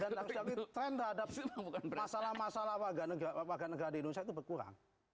dan harus dapet tren terhadap masalah masalah warga negara di indonesia itu berkurang